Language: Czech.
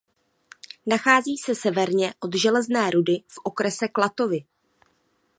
Nachází se severně od Železné Rudy v okrese Klatovy.